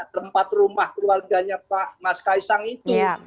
tempat rumah keluarganya pak mas ks sang itu